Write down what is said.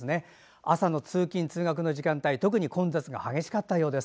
朝の通勤・通学の時間帯は特に混雑が激しかったようです。